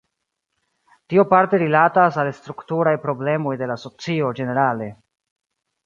Tio parte rilatas al strukturaj problemoj de la socio ĝenerale.